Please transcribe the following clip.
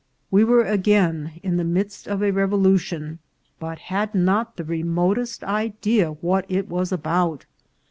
We were again in the midst of a revolution, but had not the remotest idea what it was about.